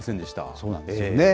そうなんですよね。